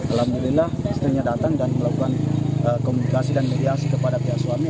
alhamdulillah istrinya datang dan melakukan komunikasi dan mediasi kepada pihak suami